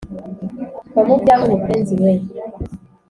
va mu byawe mupenzi we